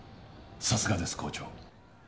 さすがです校長。